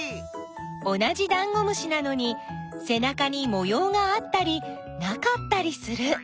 同じダンゴムシなのにせなかにもようがあったりなかったりする！